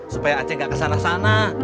supaya aceh gak kesana sana